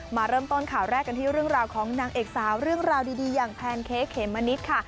มาเริ่มต้นข่าวแรกกันที่เรื่องราวของนางเอกสาวเรื่องราวดีอย่างแพนเค้กเขมมะนิดค่ะ